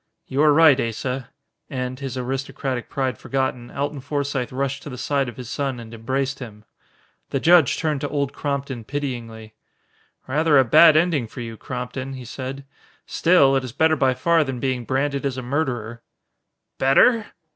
"You are right, Asa." And, his aristocratic pride forgotten, Alton Forsythe rushed to the side of his son and embraced him. The judge turned to Old Crompton pityingly. "Rather a bad ending for you, Crompton," he said. "Still, it is better by far than being branded as a murderer." "Better?